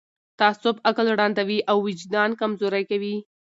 تعصب عقل ړندوي او وجدان کمزوری کوي